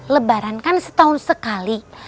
lebaran kan setahun sekali